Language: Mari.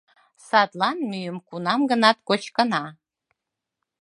Садлан мӱйым кунам-гынат кочкына.